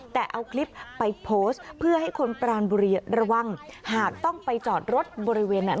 แต่เอาคลิปไปโพสต์เพื่อให้คนปรานบุรีระวังหากต้องไปจอดรถบริเวณนั้น